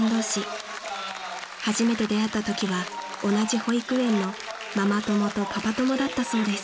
［初めて出会ったときは同じ保育園のママ友とパパ友だったそうです］